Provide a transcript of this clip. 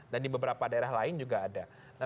dan di beberapa daerah lain juga ada